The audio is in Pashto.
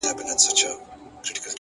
لوړ هدفونه استقامت او نظم غواړي